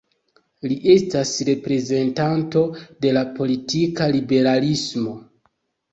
Li estas reprezentanto de la politika liberalismo.